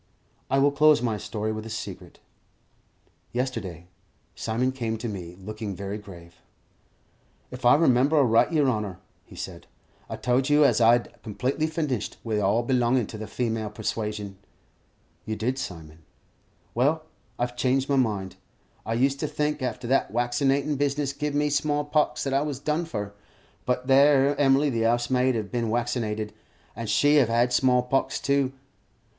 I will close my story with a secret. Yesterday, Simon came to me, looking very grave. "If I remember aright, yer honour," he said, "I told you as 'ow I'd completely finished wi' all belongin' to the female persuasion." "You did, Simon." "Well, I've changed my mind. I used to think after that waccinatin' business gived me small pox, that I was done for; but that 'ere Emily the 'ousemaid 'ev bin waccinated, and she 'ev had small pox too.